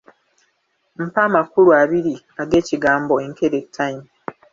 Mpa amakulu abiri ag'ekigambo “enkerettanyi.”